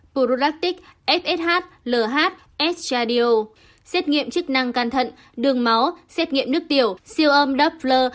prolactic fsh lh s cardio xét nghiệm chức năng can thận đường máu xét nghiệm nước tiểu siêu âm doppler